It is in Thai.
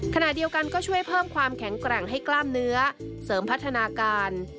ขณะเดียวกันก็ช่วยเพิ่มความแข็งแกร่งให้กล้ามเนื้อเสริมพัฒนาการ